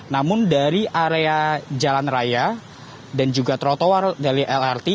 namun dari area jalan raya dan juga trotoar dari lrt